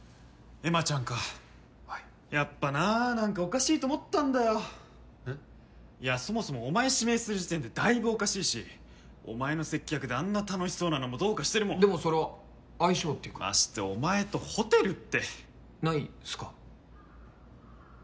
エマちゃんかはいやっぱな何かおかしいと思ったんだよいやそもそもお前指名する時点でだいぶおかしいしお前の接客であんな楽しそうなのもどうかしてるもんでもそれは相性っていうかましてお前とホテルってないっすか？